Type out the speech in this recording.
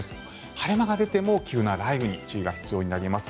晴れ間が出ても急な雷雨に注意が必要になります。